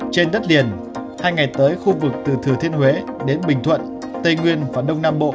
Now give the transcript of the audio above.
trên đất liền hai ngày tới khu vực từ thừa thiên huế đến bình thuận tây nguyên và đông nam bộ